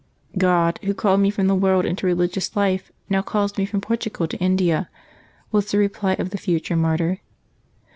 " God, Who called me from the world into religious life, now calls me from Portugal to India," was the reply of the future martyr.